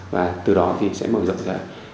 và từ đó thì sẽ mở rộng ra